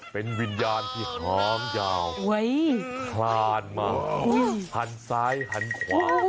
เป็นวิญญาณที่หอมยาวคลานมาหันซ้ายหันขวา